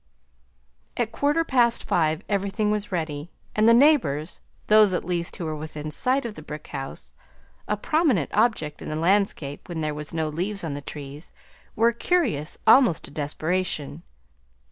At quarter past five everything was ready, and the neighbors, those at least who were within sight of the brick house (a prominent object in the landscape when there were no leaves on the trees), were curious almost to desperation.